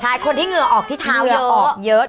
ใช่คนที่เหงื่อออกที่เท้าอย่าออกเยอะ